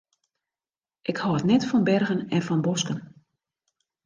Ik hâld net fan bergen en fan bosken.